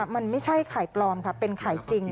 มันไม่ใช่ไข่ปลอมค่ะเป็นขายจริง